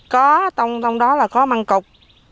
có tông đó là có măng cục